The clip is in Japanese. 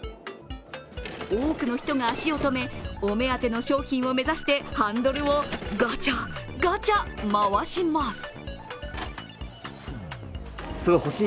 多くの人が足を止め、お目当ての商品を目指してハンドルをガチャガチャ回します。